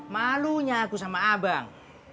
malunya aku sama abang